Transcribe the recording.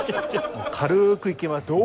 軽くいけます。